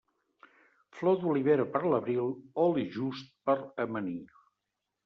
Flor d'olivera per l'abril, oli just per amanir.